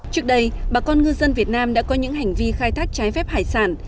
trước đây bà con ngư dân việt nam đã có những hành vi khai thác trái phép hải sản